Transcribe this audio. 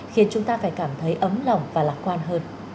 khiến chúng ta phải cảm thấy ấm lòng và lạc quan hơn